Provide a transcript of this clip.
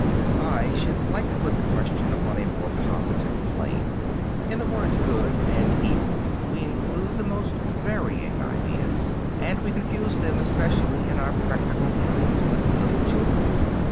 I should like to put the question upon a more positive plane. In the words "good" and "evil" we include the most varying ideas, and we confuse them especially in our practical dealings with little children.